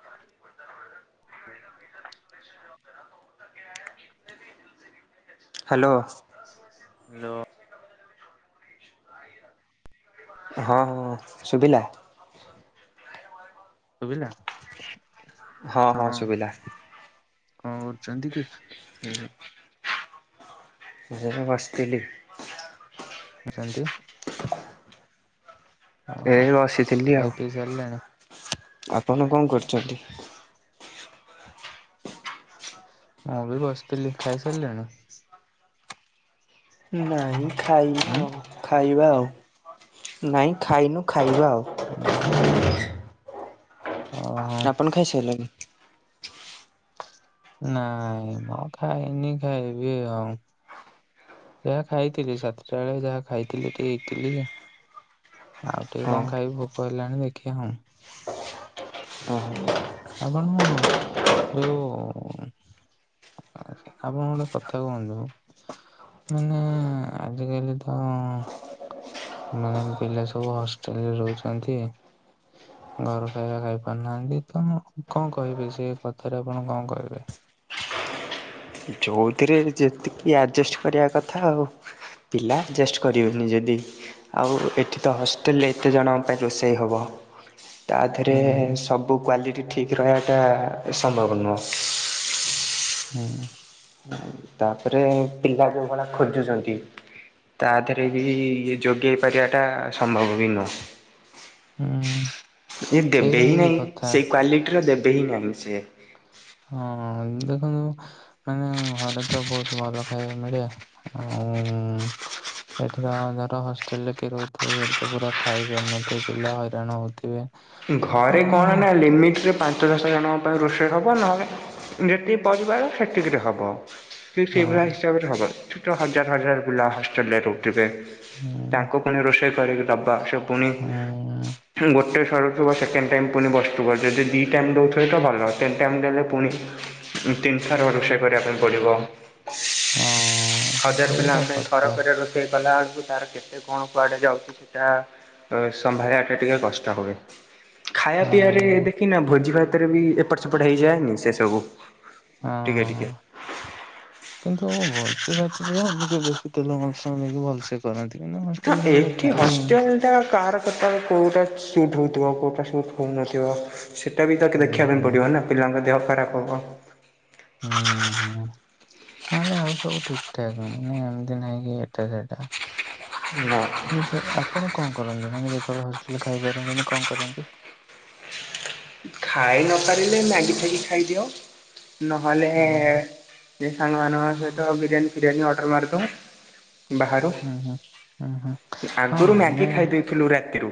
[unintelligible] Hello hello ହଁ ହଁ ଶୁଭିଲା ଶୁଭିଲା ହଁ ହଁ କଣ ହଁ ଶୁଭିଲା। କରୁଛନ୍ତି କି? ହୁଁ [unintelligible] ବସିଥିଲି। ସେମନ୍ତି। ଓହୋ ଏଇ ବସିଥିଲି ଖାଇ ଆଉ, ପିଇ ସାରିଲେଣି ଆପଣ କଣ କରୁଛନ୍ତି? [inaudible] ମୁଁ ବି ବସିଥିଲି, ଖାଇସାରିଲେଣି? ନାଇଁ ଖାଇନୁ ଉଁ ଆ ଖାଇବା ଆଉ, ନାଇଁ ଖାଇନୁ ଖାଇବା ଉଁ ଆଉ ଓହୋ ଆପଣ ଖାଇସାଇଲେଣି? ନାଇଁ ମୁ ଖାଇନି ଖାଇବି ଆଉ ଯାହା ଖାଇଥିଲି ସାତଟା ବେଳେ ଯାହା ଖାଇଥିଲି ଟିକେ ଇଟଲି। ଆଉ ଟିକେ ହଁ କଣ ଖାଇବି ଭୋକ ହେଲାଣି ଦେଖିବା ଆଉ [unintelligible] ଆପଣ ଯଉ ଆ ଆପଣ ଗୋଟେ କଥା କୁହନ୍ତୁ। ମାନେ ଆଜିକାଲି ତ [unintelligible] ସବୁ ହଷ୍ଟେଲରେ ରହୁଛନ୍ତି ଆଉ। ଘର ଖାଇବା ଖାଇ ପାରୁନାହାନ୍ତି ତ କଣ କହିବି ସେ କଥାରେ ଆପଣ କଣ କହିବେ। ଯେଉଥିରେ ଯେତିକି ଆଡ଼ଜଷ୍ଟ କରିବା କଥା ଆଉ ପିଲା ଆଡ଼ଜଷ୍ଟ କରିବୁନି ଯଦି ଆଉ ଏଠି ତ ହଷ୍ଟେଲରେ ଏତେ ଜଣଙ୍କ ପାଇଁ ରୋଷେଇ ହବ। ତା ଦେହରେ ହୁଁ ସବୁ କ୍ଵାଲିଟି ଠିକ୍ ରହିବାଟା ସମ୍ଭବ ନୁହଁ। ହୁଁ ତାପରେ ପିଲା ଯୋଉ ଭଳିଆ ଖୋଜୁଛନ୍ତି। ତା ଦେହରେ ବି ଇଏ ଯୋଗେଇ ପାରିବାଟା ସମ୍ଭବ ବି ନୁହଁ। ହୁଁ। ଇ ଦେବେ ସେଇଟା ହିଁ ହଉଛି ନାହିଁ କଥା। ସେଇ କ୍ଵାଲିଟିର ଦେବେ ହିଁ ନାହିଁ ସିଏ। ହଁ ଦେଖନ୍ତୁ ମାନେ ଘରେ ତ ବହୁତ ଭଲ ଖାଇବା ମିଳେ ଆଉ ଏଠି ତ ଧର ହଷ୍ଟେଲ ରେ କିିଏ ରହୁଥିବ ସେଠି ତ ପୁରା ଖାଇପାରୁନଥିବେ ପିଲା ହଇରାଣ ହଉଥିବେ। ଘରେ କଣ ହଁ ନା ଲିମିଟରେ ପାଞ୍ଚ ଦଶ ଜଣଙ୍କ ପାଇଁ ରୋଷେଇ ହେବ ନହେଲେ ଯେତିକି ପରିବାର ସେତିକିରେ ହେବ। ହଁ ସେଇଭଳିଆ ହିସାବରେ ହବ ଏଠି ହଜାର ହଜାର ପିଲା ହଷ୍ଟେଲ ରେ ରହୁଥିବେ। ତା ହୁଁ ରୋଷେଇ କରି ଦବା ସେ ପୁଣି ହୁଁ ଗୋଟେ ସର ବ ସେକେଣ୍ଡ ଟାଇମ୍ ପୁଣି ବସ୍ତୁବ ଯଦି ଦୁଇ ଟାଇମ୍ ଦେଉଥିବେ ତ ଭଲ, ତିନ୍ ଟାଇମ୍ ଦେଲେ ପୁଣି ତିନି ଥର ରଷେଇ କରିବା ପାଇଁ ପଡିବ। ହଁ ହଜାର ପିଲା ସେଇଟା ଆମ ପାଇଁ ଥର କଥା କରିବା ରୋଷେଇ କଲା ବଳକୁ ତାର କେତେ କଣ କୁଆଡେ ଯାଉଛି ସେଟା ସମ୍ଭାଳିବା ଟେ ଟିକେ କଷ୍ଟ ହୁଏ। ଖାଇବା ପିଇବାରେ ହଁ ଦେଖିନା ଭୋଜି ଭାତରେ ବି ଏପଟ ସେପଟ ହେଇଯାଏନି ସେ ସବୁ। ଟିକେ ଆଁ। ଟିକେ। କିନ୍ତୁ ଭୋଜି ଭାତ ଟିକେ ବେଶୀ ତେଲ ମସଲା ଦେଇକି ଭଲସେ କରନ୍ତି ହଷ୍ଟେଲ ଖାଇ ଖାଇନି। ସେଟା କାହାର କେତେବେଳେ କୋଉଟା ସୁଟ୍ ହଉଥିବ କୋଉଟା ସୁଟ୍ ହଉନଥିବ। ସେଇଟା ବି ତ ହୁଁ ଦେଖିବା ପାଇଁ ହୁଁ ପଡ଼ିବ ନା ପିଲାଙ୍କ ଦେହ ଖରାପ ହେବ। ଉଁ। ନହେଲେ ଆଉ ସବୁ ଠିକ୍ ଠାକ୍ ମାନେ ଏମିତି ନାଇଁ କି ଏଟା ସେଟା ନା ଆପଣ କଣ କରନ୍ତି ମାନେ ଯେତେବେଳେ ହଷ୍ଟେଲରେ ଖାଇପାରନ୍ତିନି କଣ କରନ୍ତି? ଖାଇ ନ ପାରିଲେ ମ୍ୟାଗି ଫ୍ୟାଗି ଖାଇଦିଅ, ନହେଲେ ଓହୋ ସାଙ୍ଗ ମାନଙ୍କ ସହିତ ବ ବିରୟାନ ଫିରୟୀ ଅର୍ଡ଼ର ମାର ଦଉ। ବାହାରୁ, ହୁଁ ହୁଁ। ଉଁ ହୁଁ ହଁ ଆଗରୁ ମ୍ୟାଗି ଆମେ ଖାଇଦେଇ ଥିଲୁ ରାତିରୁ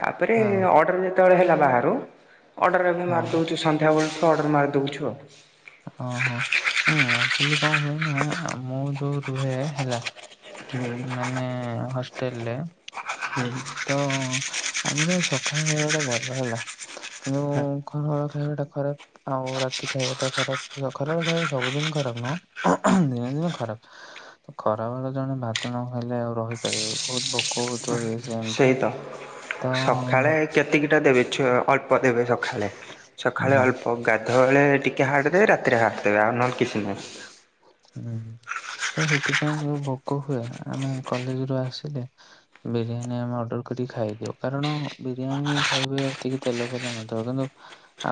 ତାପରେ ହଁ ଅର୍ଡ଼ର ଯେତେବେଳେ ହେଲା ବାହାରୁ ଅର୍ଡ଼ର ଏବେ ହଁ ମାରିଦଉଛୁ ସନ୍ଧ୍ୟାବେଳ ତ ଅର୍ଡ଼ର୍ ମାରି ଦେଉଛୁ ଆଉ। ଓଁ ହଁ ଉଁ ଆଚୁଲି କଣ ହୁଏ ନା ମୁଁ ଯୋଉ ରୁହେ ହେଲା ହୁଁ। ମାନେ ହଷ୍ଟେଲ ରେ ହୁଁ। ତ ଆମର ସକାଳ ବେଳା ଟା ଭଲ ହେଲା କିନ୍ତୁ ଖରାବେଳ ଖାଇବାଟା ଖରାପ। ଆଉ ରାତି ଖାଇବା ଟା ଖରାପ ଖରାବେଳେ ଖାଇବା ସବୁଦିନ ଖରାପ ନୁହଁ [unintelligible] ଦିନେ ଦିନେ ଖରାପ। ଖରା ବେଳ ଜଣେ ଭାତ ନଖାଇଲେ ଆଉ ରହିପାରିବ ବହୁତ ଭୋକ ତ ଇଏ ସେମତି ତ ଯେତିକିଟା ଦେବେ ଛୁଆ ଅଳ୍ପ ଦେବେ ସଖାଳେ ସଖାଳେ ହୁଁ ଅଳ୍ପ ଗାଧୁଆବେଳେ ଟି କେ ହାଡ଼ ଦେବେ ରାତିରେ ହାଡ଼ ଦେବେ ଆଉ ନହେଲେ କିଛି ନାହିଁ। ହୁଁ। ତ ସେଥିପାଇଁ ଆମକୁ ଭୋକ ହୁଏ ଆମେ କଲେଜ ରୁ ଆସିଲି ବିରିୟାନୀ ଆମେ ଅର୍ଡର କରିକି ଖାଇଦିଉ କାରଣ ବିରିୟାନୀ ଖାଇବେ ଏତିକି ତେଲ ଫେଲ ନଥିବ କିନ୍ତୁ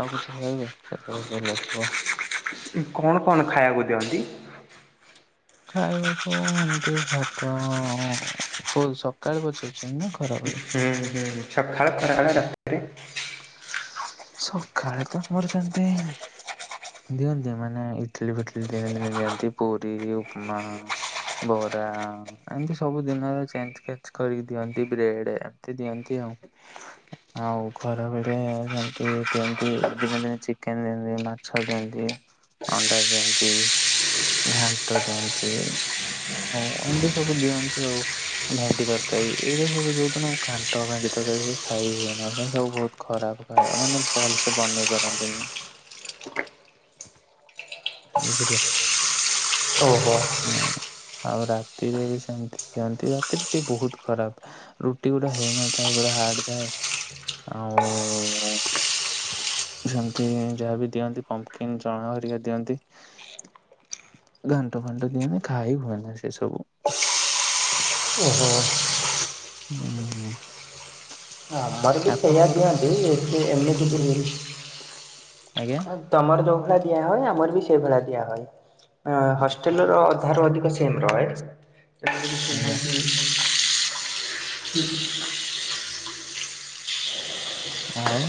ଆଉ କିଛି ଖାଇବେେ ସେଥିରେ ତେଲ ଥିବ। କଣ କଣ ଖାଇବାକୁ ଦିଅନ୍ତି? ଖାଇବାକୁ ଏମିତି ଭାତ କହୁ ସକାଳେ ପଚାରୁଚି ହୁଁ ହୁଁ ସକାଳ ଖରାବେଳେ ରାତିରେ। ସଖାଳେ ତ ମୋର ସେମିତି ଦିଅନ୍ତି ମାନେ ଇଟଲି ଫିଟଲି ଦିନେ ଦିନେ ଦିଅନ୍ତି ପୁରୀ ଉପମା। ବରା। ଏମିତି ସବୁ ଦିନର ଚେଞ୍ଚ କେଚ କରିକି ଦିଅନ୍ତି ବ୍ରେଡ ଏମିତି ଦିଅନ୍ତି ଆଉ। ଆଉ ଖରାବେଳେ ସେନ୍ତି ଦିଅନ୍ତି ଦିନେ ଦିନେ ଚିକେନ ଦିଅନ୍ତି ମାଛ ଦିଅନ୍ତି। ଅଣ୍ଡା ଦିଅନ୍ତି ଘାଣ୍ଟ ଦିଅନ୍ତି। ହଉ ଏମିତି ସବୁ ଦିଅନ୍ତି ଆଉ। ଭେଣ୍ଡି ତରକାରୀ ଏଇରା ସବୁ ଯୋଉଦିନ ଘାଣ୍ଟ ଭେଣ୍ଡି ତରକାରୀ ସବୁ ଖାଇ ହୁଏ ନା। ଏନ୍ତି ସବୁ ବହୁତ ଖରାପ ଖାଇବା ମାନେ ଭଲସେ ବନେଇ ପାରନ୍ତିନି। ବୁଝିଲେ। ଓହୋ। ହଁ, ଆଉ ରାତିରେ ବି ସେମିତି ଦିଅନ୍ତି ରାତିରେ ଟିକେ ବହୁତ ଖରାପ। ରୁଟି ଗୋଟେ ହେଇନଥାଏ ଗୋଟେ ହାର୍ଡ ଥାଏ ଆଉ ସେମିତି ଯାହାବି ଦିଅନ୍ତି ପମ୍ପକିନ୍ ଚଣା ହରିକା ଦିଅନ୍ତି। ଘାଣ୍ଟ ଫାଣ୍ଟ ଦିଅନି ଖାଇାଇ ହୁଏନି ସେ ସବୁ। ଉଁ ହୁଁ। ହୁଁ ହୁଁ। ଆମରିକ ସେଇଆ ଦିଅନ୍ତି ଏଠି ଏମିତିକି ଆଜ୍ଞା। ତମର ଯୋଉ ଭଳିଆ ଦିଆ ହଏ ଆମର ବି ସେଇ ଭଳିଆ ଦିଆ ହଏ ହଷ୍ଟେଲ ର ଅଧାର ଅଧିକ ସେ ସେମେ ରହେ। ଆଜ୍ଞା ଆଉ।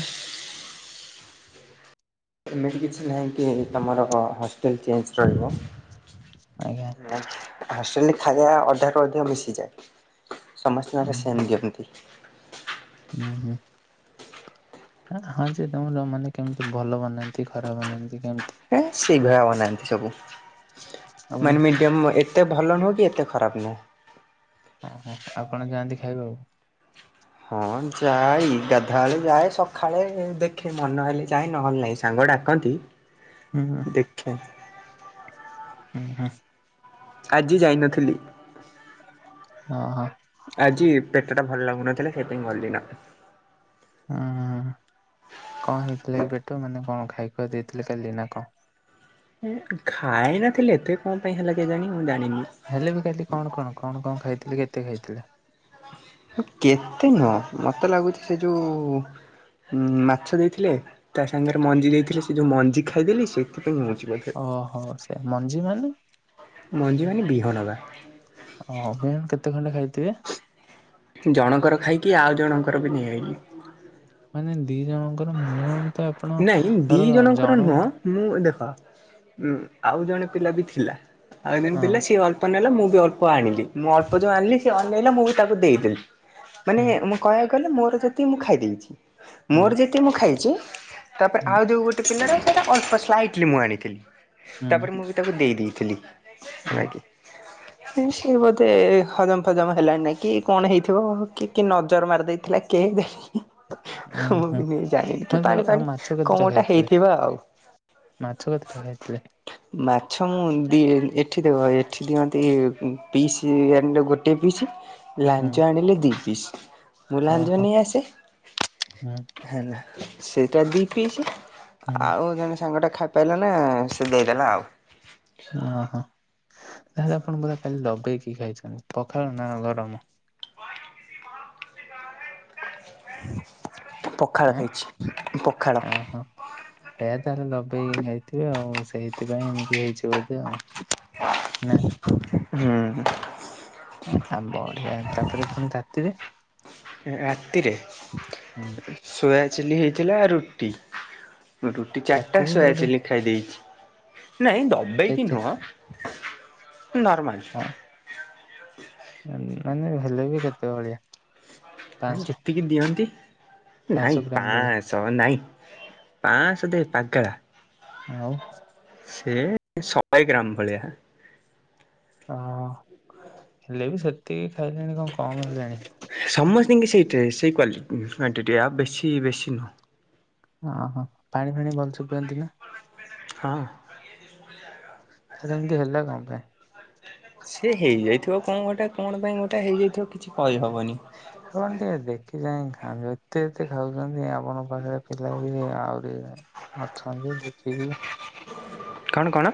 ଏମିତି କିଛି ନାହିଁକି ତମର ହ ହଷ୍ଟେଲ ଚେଞ୍ଜ ରହିବ। ଆଜ୍ଞା। ହଷ୍ଟେଲରେ ଖାଇବା ଅଧାରୁୁ ଅଧିକ ମିଶିଯାଏ ସମସ୍ତିଙ୍କର ହୁଁ ହୁଁ ସେମ ଦିଅନ୍ତି। ହୁଁ ହୁଁ। ହଁ ଯେ ତମର ମାନେ କେମିତି ଭଲ ବନାନ୍ତି ଖରାପ ବନାନ୍ତି କେମିତି। ହେ ସେଗୁରା ବନାନ୍ତି ସବୁ ଆପଣ ମାନେ ମିଡ଼ିୟମ୍ ଏ ଏତେ ଭଲ ନୁହଁ କି ଏତେ ଖରାପ ନୁହଁ। ଓହୋ ଆଉ କଣ ଯାଆନ୍ତି ଖାଇବାକୁ। ହଁ ଯାଇ ଗାଧୁଆବେଳେ ଯାଏ ସଖାଳେ ଦେଖେ ମନ ହେଲେ ଯାଏ ନହେଲେ ନାହିଁ ସାଙ୍ଗ ଡାକନ୍ତି। ହ ଉଁ ହୁଁ। ଦେଖେ। ଉଁ ହୁଁ। ଆଜି ଯାଇନଥିଲି। ଅ ହଁ। ଆଜି ପେଟଟା ଭଲ ଲାଗୁନଥିଲା ସେଇପାଇ ଗଲିନ। ହୁଁ କଣ ହେଇଥିଲା କି ପେଟ ମାନେ କଣ ଖାଇ ଖୁଆ ଦେଇଥିଲେ କାଲି ନା କଁ? ଖାଇ ନଥିଲି ଏତେ କଣ ପାଇଁ ହେଲା କେଜାଣି ମୁଁ ଜାଣିନି। ହେଲେ ବି କାଲି କଣ କଣ କଣ କଣ ଖାଇଥିଲେ କେତେ ଖାଇଥିଲେ। କେତେ ନୁହଁ ମତେ ଲାଗୁଚି ସେ ଯୋଉ ଉଁ ମାଛ ଦେଇଥିଲେ ତା ସାଙ୍ଗରେ ମଞ୍ଜି ଦେଇଥିଲେ। ସେ ଯୋଉ ମଞ୍ଜି ଖାଇଦେଲି ସେଥିପାଇଁ ମିଳୁଛିି ବୋ ଓହୋ ସେ ମଞ୍ଜି ମାନେ? ମଞ୍ଜି ମାନେ ବିହନବା। ହଁ ବିହନ କେତେ ଖଣ୍ଡେ ଖାଇଥିବେ? ଜଣଙ୍କର ଖାଇକି ଆଉ ଜଣଙ୍କର ବି ନେଇଆଇଲି। ମାନେ ଦି ଜଣଙ୍କର ମିନିୟମତ ଆପଣ ନାଇଁ ଦି ତାର ଜଣଙ୍କର ଜଣୁ ନୁହଁ ମୁଁ ଦେଖ ଉ ଆଉ ଜଣେ ପିଲା ବି ଥିଲା ଆଉ ଜଣେ ହଁ ପିଲା ସିଏ ଅ ଅଳ୍ପ ନେଲା ମୁଁ ବି ଅଳ୍ପ ଆଣିଲି ମୁଁ ଅଳ୍ପ ଯୋଉ ଆଣିଲି ସେ ଅନେଇଲା ମୁଁ ବି ତାକୁ ଦେଇଦେଲି। ମାନେ ହୁଁ ମୁଁ କହିବାକୁ ଗଲେ ମୋର ଯେତିକି ମୁଁ ଖାଇ ଦେଇଚି କରିବା ହୁଁ ମୋର ଯେତିକି ମୁଁ ଖାଇଚି। ତାପରେ ହୁଁ ଆଉ ଯୋଉ ଗୋଟେ ପିଲର ସେଟା ଅଳ୍ପ ସ୍ଲାଇଟଲି ମୁଁ ଆଣିଥିଲି। ତାପରେ ହୁଁ ମୁଁ ତାକୁ ଦେଇ ଦେଇଥିଲି ହୁଁ ଲାଗି। ହୁଁ ସିଏ ବୋଧେ ହଜମ ଫଜମ ହେଲାଣି ନାଇଁ କି କଣ ହେଇଥିବ। କି କି ନଜର ମାରି ଦେଇେଇଥିଲା କିଏ ହ ଉଁ ହୁଁ। ହଁ ଯାଆଉ ଆଉ ଫାଣି ମାଛ କଣ ଭାତଟା ଗୋଟା ଖାଇଥିଲେ ହେଇଥିବ ଆଉ। ମାଛ ଭତଟା ଖାଇଥିଲେ। ମାଛ ମୁଁ ଦିଏ ଏଠି ଦେବ ଏଠି ଦିଅନ୍ତି ପିସି ଆଣିଲେ ଗୋ ଟେ ପିସି ହୁଁ ଲାଞ୍ଜ ଆଣିଲେ ଦି ପିସ୍ ମୁଁ ଲାଞ୍ଜ ଓହୋ ନେଇ ଆସେ ହୁଁ ହେଲା। ସେଇଟା ଦୁଇ ପିସ୍ ହୁଁ ଆଉ ଜଣେ ସାଙ୍ଗଟା ଖାଇପାଇଲାନି ସେ ଦେଇଦେଲା ଆଉ। ଓହୋ ତାହେଲେ ଆପଣ ପୁରା କାଲି ଦବେେଇକି ଖାଇଛନ୍ତି ପଖାଳ ନା ଗରମ। ପଖାଳ ଖାଇଛି ପଖାଳ। ଓ ହଁ। ସେ ତାହେଲେ ଲଗେଇକି ଖାଇଥିବେ ଆଉ ସେଇଥିପାଇଁ ଏମିତି ହେଇଛି ବୋଧେ ଆଉ ନା। ହୁଁ। ଆଉ ତାନେ ବଢିଆ ତାପରେ ଫୁଣି ଚାକିରି। ରାତିରେ ହୁଁ ସୋୟା ଚିଲ୍ଲି ହେଇଥିଲା ରୁଟି। ରୁଟି ଚାରିଟା ତାକୁ ବି ସୋୟା ବୋଧେ ଚିଲି ଖାଇ ଦେଇଛି ନାଇଁ ଦବେଇକି କେତେ ନୁହଁ। ନର୍ମାଲ। ହଁ। ମାନ ନହେଲେ ମାନେ ହେଲେ ବି କେତେ ଭଳିଆ। ହୁଁ ପାଞ୍ଚଶହ ଯେତିକି ଦିଅନ୍ତି ନାଇଁ ପାଞ୍ଚଶହ ପା ଗ୍ରାମ ଭଳିଆ ଚାବଲ ନାଇଁ ପାଶ ଦେ ପାଗେଳା। ଆଉ ସେ ଶହେ ଗ୍ରାମ ଭଳିଆ। ଓ ହେଲେ ବି ସେତିକି ଖାଇଲେଣି କଣ କମ ହେଲାଣି। ସମସ୍ତିଙ୍କି ସେଇ ସେଇ କ୍ୱାଲଟି କ୍ଵାଣ୍ଟିଟି ଆଉ ବେଶୀ ବେଶୀ ନୁହଁ। ଓ ହୋ ପାଣି ଫାଣି ଭଲସ ପିଅନ୍ତି ନା। ହଁ। ହେଟା ଏମତି ହେଲା କଁ ପାଇଁ। ସେ ହେଇଯାଇଥିବ କଣ ଗୋଟେ କଣ ପାଇଁ ଗୋଟେ ହେଇଯାଇଥିବ କିଛି କହିହବନି। ଆପଣ ଟିକେ ଦେଖି ଚାହିଁକି ଖାଆନ୍ତୁ ଏତେ ଏତେ ଖାଉଛନ୍ତି ଆପଣଙ୍କ ପାଖରେ ପିଲା ବି ଆହୁରି ଅଛନ୍ତି ଦେଖିକି କଣ କଣ?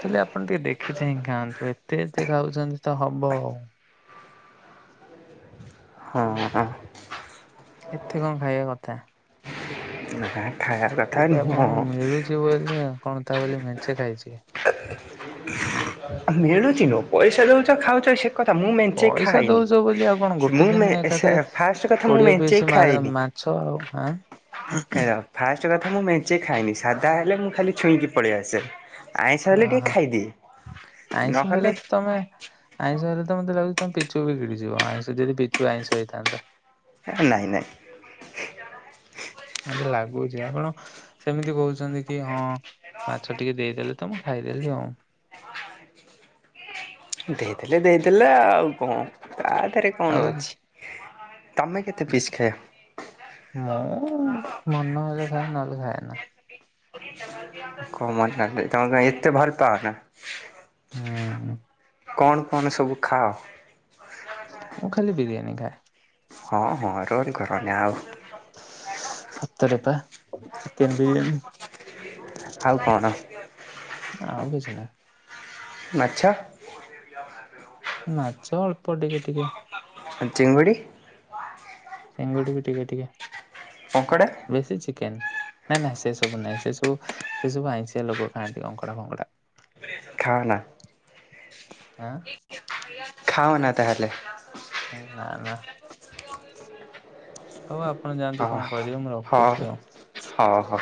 ହେଲେ ଆପଣ ଟିକେ ଦେଖି ଚାହିଁକି ଖାଆନ୍ତୁ ଏତେ ଏତେ ଖାଉଛନ୍ତି ତ ହବ ଆଉ। ହଁ ହଁ। ଏତେ କଣ ଖାଇବା କଥା। ଆା ଯଦି ଆପଣଙ୍କୁ ମିଳୁଚି ବୋଲି କଣ ତା ବୋଲି ମେଞ୍ଚେ ଖାଇଯିବେ। ମିଳୁଚି ନୁହଁ ପଇସା ଦଉଚ ଖାଉଚ ସେ କଥା ମୁଁ ମେଞ୍ଚେ ପଇସା ଦଉଛ ବୋଲି ଆଉ କଣ ଖାଏନି। ଗୋଟେ ମୁଁ ମେ ଦିନରେ ସେ ଏକାଥରେ ଫାଷ୍ଟ କଥା ମୁଁ କୋଡିଏ ମେଞ୍ଚେ ପିସ୍ ମାଛ ଖାଏନି। [unintelligible] ହେଲା। ଫାଷ୍ଟ କଥା ମୁଁ ମେଞ୍ଚେ ଖାଏନି। ସାଧା ହେଲେ ମୁଁ ଖାଲି ଛୁଇଁକି ପଳେଇ ଆସେ। ଆଇଁଷ ଅ ହେଲେ ଟିକେ ହଁ। ଖାଇଦିଏ ଆଇଁଷ ନହେଲେ ହେଲେ ତ ତମେ ଆଇଁଷ ହେଲେ ତ ମତେ ଲାଗୁଚି ତମେ ପିଚୁ ବି ଗିଳିଯିବ। ଆଇଁଷ ଯଦି ପିଚୁ ଆଇଁଷ ହେଇଥାନ୍ତା। ନାଇଁ ନାଇଁ। ମତେ ଲାଗୁଚି ଆପଣ ସେମିତି କହୁଛନ୍ତି କି ହଁ ମାଛ ଟିକେ ଦେଇଦେଲେ ତ ମୁଁ ଖାଇଦେଲି ଆଉ। ଦେଇଦଲେ ଦେଇଦେଲେ ଆଉ କଣ ତା ଥେରେ କଣ ଆଉ ଅଛି ତମେ କେତେ ପିସ୍ ଖାଇବ? ମୁଁ ମନ ହେଲେ ଖାଏ ନହେଲେ ଖାଏ ନା। [unintelligible] ତମ କଣ ଏତେ ଭଲ ପାଅ ନା? ହୁଁ କଣ କଣ ସବୁ ଖାଅ? ମୁଁ ଖାଲି ବିରିୟାନୀ ଖାଏ। ହଁ ହଁ ରୋଲ କରନି ଆଉ। ସତରେ ପା ଚିକେନ୍ ବିରିୟାନୀ। ଆଉ କଣ? ଆଉ କିଛି ନାହିଁ। ମାଛ? [unintelligible] ମାଛ ଅଳ୍ପ ଟିକେ ଟିକେ। ଆଉ ଚିଙ୍ଗୁଡ଼ି? ଚିଙ୍ଗୁଡି ବି ଟିକେ ଟିକେ। କଙ୍କଡ଼ା? ମୋର ସେଇ ଚିକେନ୍। ନା ନା ସେ ସବୁ ନାହିଁ। ସେ ସବୁ ସେ ସବୁ ଆଇଁଷିଆ ଲୋକ ଖାଆନ୍ତି କଙ୍କଡା ଫଙ୍କଡା। ଖାଓନା। ଆଁ ଖାଓନା ତାହେଲେ। ନା ନା। ହଉ ଆପଣ ଯାଆନ୍ତୁ କଣ କରିବେ ମୁଁ ରଖୁଚି ଆଉ। ହ ହ।